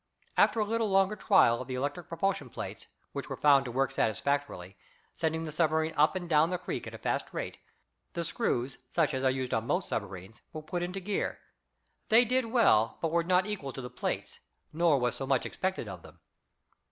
After a little longer trial of the electric propulsion plates, which were found to work satisfactorily, sending the submarine up and down the creek at a fast rate, the screws, such as are used on most submarines, were put into gear. They did well, but were not equal to the plates, nor was so much expected of them.